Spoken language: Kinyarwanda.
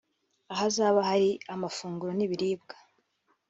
ahazaba hari amafunguro n’ibiribwa